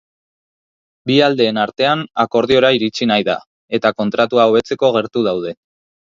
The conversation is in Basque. Bi aldeen artean akordiora iritsi nahi da eta kontratua hobetzeko gertu daude.